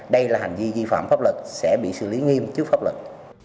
đây là hành vi vi phạm pháp luật sẽ bị xử lý nghiêm trước pháp luật